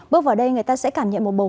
bước vào đây người ta sẽ cảm nhận một bầu